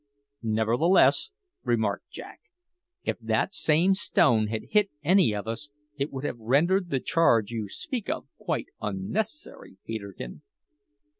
"Nevertheless," remarked Jack, "if that same stone had hit any of us it would have rendered the charge you speak of quite unnecessary, Peterkin."